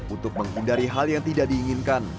untuk menghindari hal yang tidak diinginkan